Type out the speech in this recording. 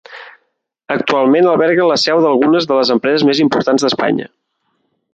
Actualment alberga la seu d'algunes de les empreses més importants d'Espanya.